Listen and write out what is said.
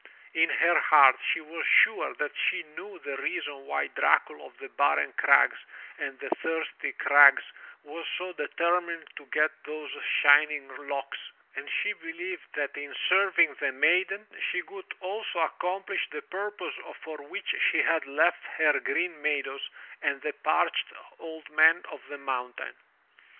In her heart she was sure that she knew the reason why Dracul of the barren crags and the thirsty crags was so determined to get those shining locks, and she believed that in serving the MY BOOK HOUSE maiden, she could also accomplish the purpose for which she had left her green meadows and the parched Old Man of the Mountain.